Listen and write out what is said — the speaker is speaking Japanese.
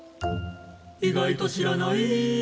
「意外と知らない」